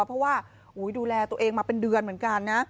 เพราะว่าดูแลตัวเองมาเป็นเดือนเหมือนกันนะ